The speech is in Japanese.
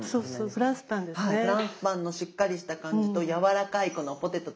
フランスパンのしっかりした感じとやわらかいこのポテト。